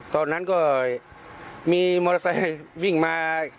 ตอนนั้นก็มีมอเตอร์ไซค์วิ่งมา